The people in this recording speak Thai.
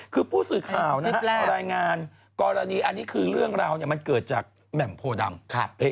คือผู้สื่อข่าวนะฮะรายงานกรณีอันนี้คือเรื่องราวมันเกิดจากแหม่มโพดำ